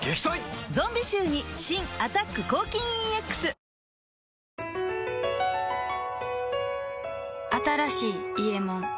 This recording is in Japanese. ゾンビ臭に新「アタック抗菌ＥＸ」新しい「伊右衛門」